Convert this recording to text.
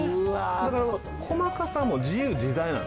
だから細かさも自由自在なんですね。